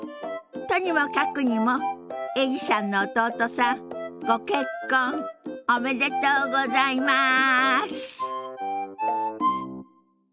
とにもかくにもエリさんの弟さんご結婚おめでとうございます！